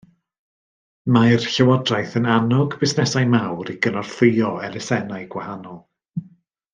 Mae'r llywodraeth yn annog busnesau mawr i gynorthwyo elusennau gwahanol